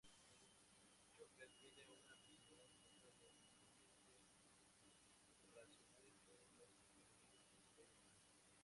Shocker tiene una personalidad notablemente racional entre los enemigos de Spider-Man.